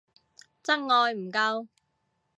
真愛唔夠